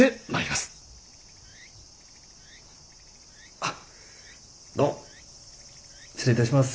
あっどうも失礼いたします。